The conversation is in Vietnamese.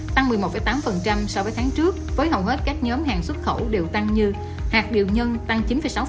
tăng một mươi một tám so với tháng trước với hầu hết các nhóm hàng xuất khẩu đều tăng như hạt điều nhân tăng chín sáu